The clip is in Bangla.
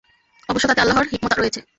অবশ্য তাতে আল্লাহর হিকমত রয়েছে।